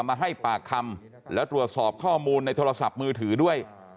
มาให้ปากคำแล้วตรวจสอบข้อมูลในโทรศัพท์มือถือด้วย